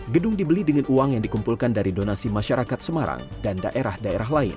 gedung dibeli dengan uang yang dikumpulkan dari donasi masyarakat semarang dan daerah daerah lain